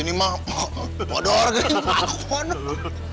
ini mah waduh orang ini mah aku mau anak